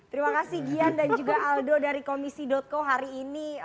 terima kasih gian dan juga aldo dari komisi co hari ini